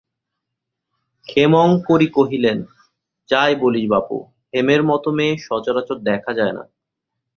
ক্ষেমংকরী কহিলেন, যাই বলিস বাপু, হেমের মতো মেয়ে সচরাচর দেখা যায় না।